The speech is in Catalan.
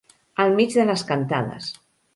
Al mig de les cantades.